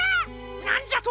なんじゃと！